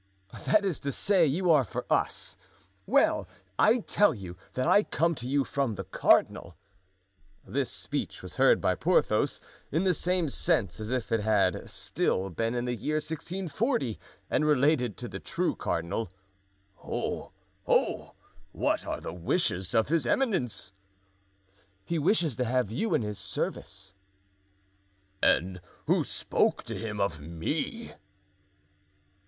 "That is to say, you are for us. Well, I tell you that I come to you from the cardinal." This speech was heard by Porthos in the same sense as if it had still been in the year 1640 and related to the true cardinal. "Ho! ho! What are the wishes of his eminence?" "He wishes to have you in his service." "And who spoke to him of me?"